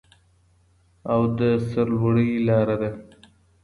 او د سرلوړۍ لاره ده.